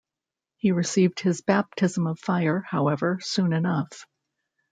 He received his baptism of fire, however, soon enough.